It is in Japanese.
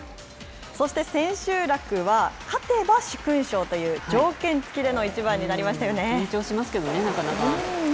そして千秋楽は、勝てば殊勲賞という条件付きでの一番になりまし緊張しますけどね、なかなか。